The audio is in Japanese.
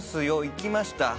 いきました。